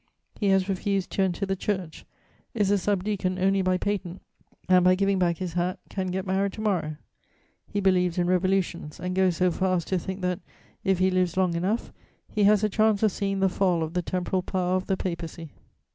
He has refused to enter the Church, is a sub deacon only by patent, and by giving back his hat can get married to morrow. He believes in revolutions, and goes so far as to think that, if he lives long enough, he has a chance of seeing the fall of the temporal power of the Papacy.